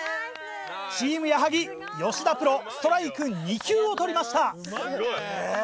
チーム矢作・吉田プロストライク２球を取りました。